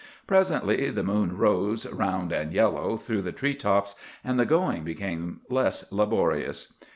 Presently the moon rose round and yellow through the tree tops, and the going became less laborious.